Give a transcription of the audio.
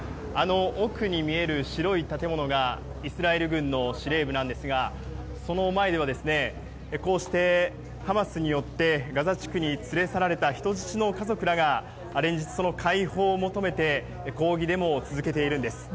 奥に見える白い建物がイスラエル軍の司令部ですがその前には、こうしてハマスによってガザ地区に連れ去られた人質の家族らが連日、解放を求めて抗議デモを続けているんです。